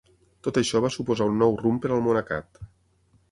Tot això va suposar un nou rumb per al monacat.